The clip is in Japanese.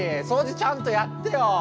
掃除ちゃんとやってよ！